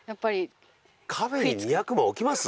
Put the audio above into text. カフェに２００万置きます？